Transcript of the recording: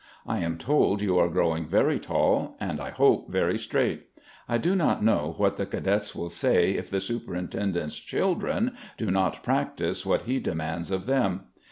I am told you are growing very tall, and I hope very straight. I do not know what the Cadets will say if the Superintendent's children do not practice what he demands of them.